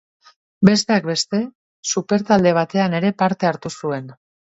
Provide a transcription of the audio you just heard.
Besteak beste super-talde batean ere parte hartu zuen.